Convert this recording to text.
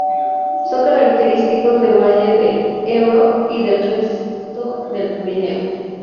Son característicos del valle del Ebro y del resto del Pirineo.